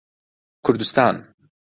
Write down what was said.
کوردستان